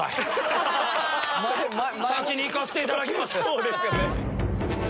先に行かせていただきます。